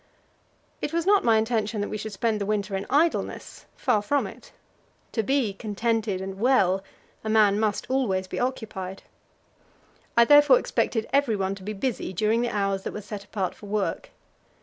It was not my intention that we should spend the winter in idleness far from it. To be contented and well, a man must always be occupied. I therefore expected everyone to be busy during the hours that were set apart for work.